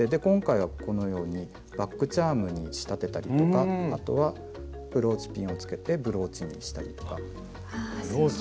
今回はこのようにバッグチャームに仕立てたりとかあとはブローチピンをつけてブローチにしたりとか。